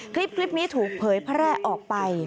คลิปนี้ถูกเผยแพร่ออกไป